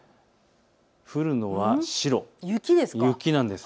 来るのは白、雪なんです。